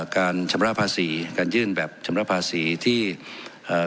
การชำระภาษีการยื่นแบบชำระภาษีที่เอ่อ